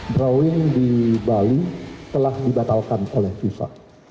drawing di bali telah dibatalkan oleh fifa